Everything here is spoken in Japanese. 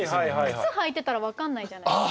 靴履いてたら分かんないじゃないですか。